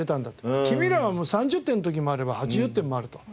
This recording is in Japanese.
君らはもう３０点の時もあれば８０点もあると。